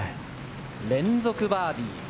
連続バーディー。